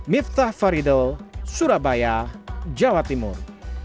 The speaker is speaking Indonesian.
miftah faridol surabaya jawa timur